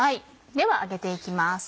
では揚げていきます。